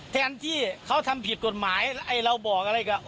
แทนที่เขาทำผิดกฎหมายไอ้เราบอกอะไรกับ